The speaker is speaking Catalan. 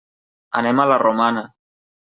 Anem a la Romana.